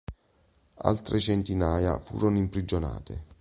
Altre centinaia furono imprigionate.